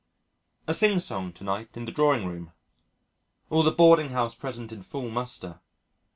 A sing song to night in the drawing room; all the boarding house present in full muster.